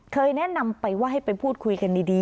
เคยแนะนำไปว่าให้ไปพูดคุยกันดี